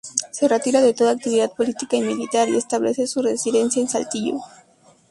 Se retira de toda actividad política y militar y establece su residencia en Saltillo.